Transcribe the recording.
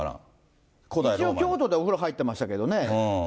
一応、京都でお風呂に入ってましたけどね。